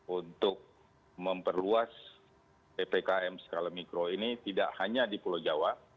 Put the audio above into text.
untuk memperluas ppkm skala mikro ini tidak hanya di pulau jawa